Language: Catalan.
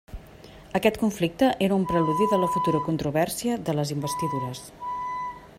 Aquest conflicte era un preludi de la futura Controvèrsia de les Investidures.